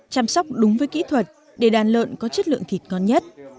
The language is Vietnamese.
chăm sóc đúng với kỹ thuật để đàn lợn có chất lượng thịt ngon nhất